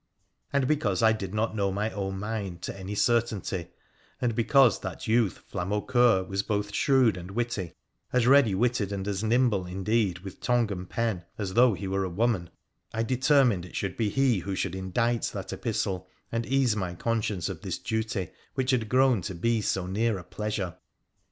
And because I did not know my own mind to any certainty, and because that youth Flamaucoeur was both shrewd and witty — as ready witted and as nimble, indeed, with tongue and pen as though be were a woman— I determined it should be he who should 192 WONDERFUL ADVENTURES OF indite that epistle and ease my conscience of this duty which had grown to be so near a pleasure.